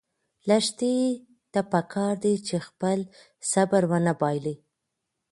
لښتې ته پکار ده چې خپل صبر ونه بایلي.